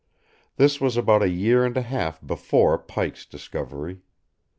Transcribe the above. This was about a year and a half before Pike's discovery.